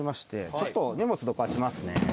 ちょっと荷物どかしますね。